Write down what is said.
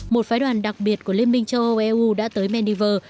một phái đoàn đặc biệt của liên minh châu âu eu đã tới mendives